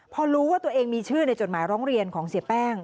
พอรู้ว่าตัวเองมีชื่อในจดหมายร้องเรียนของเสียแป้ง